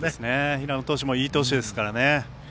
平野投手はいい投手ですからね。